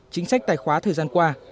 chính sách tài khoá thời gian qua